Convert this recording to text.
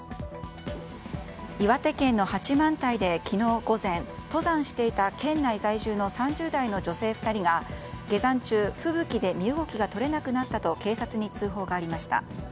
岩手県の八幡平で昨日午前登山していた県内在住の３０代の女性２人が下山中、吹雪で身動きが取れなくなったと警察に通報がありました。